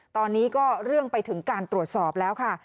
ตอนนี้ก็เรื่องไปถึงการตรวจสอบแล้วค่ะ